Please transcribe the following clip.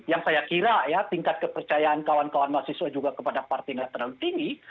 yang saya kira ya tingkat kepercayaan kawan kawan mahasiswa juga kepada partai nggak terlalu tinggi